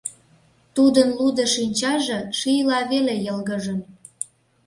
Тудын лудо шинчаже шийла веле йылгыжын.